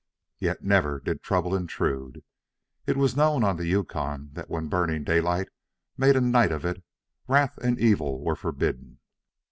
Yet never did trouble intrude. It was known on the Yukon that when Burning Daylight made a night of it, wrath and evil were forbidden.